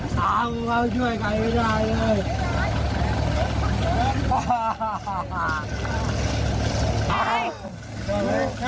สามีช่วยใครไม่ได้เลย